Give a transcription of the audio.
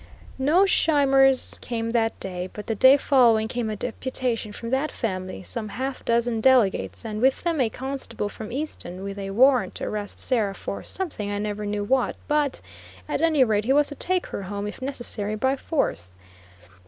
No Scheimers came that day; but the day following came a deputation from that family, some half dozen delegates, and with them a constable from Easton, with a warrant to arrest Sarah for something I never knew what but at any rate he was to take her home if necessary by force.